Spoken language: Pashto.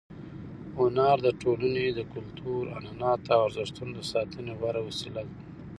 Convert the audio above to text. هنر د ټولنې د کلتور، عنعناتو او ارزښتونو د ساتنې غوره وسیله ده.